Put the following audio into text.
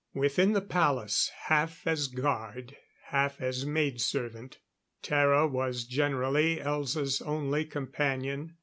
Within the palace, half as guard, half as maid servant, Tara was generally Elza's only companion.